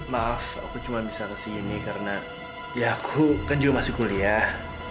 maaf aku cuman bisa kasih gini karena ya aku kan juga masih kuliah